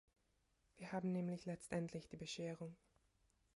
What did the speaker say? Wir haben nämlich letztendlich die Bescherung.